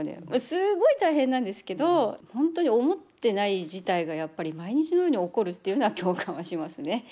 すごい大変なんですけど本当に思ってない事態がやっぱり毎日のように起こるっていうのは共感はしますね。